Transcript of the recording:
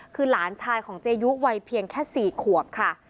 คือหลานชายของเจยุวัยเพียงแค่๔ขวบค่ะ